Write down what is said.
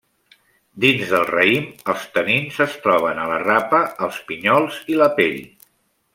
Dins del raïm, els tanins es troben a la rapa, els pinyols i la pell.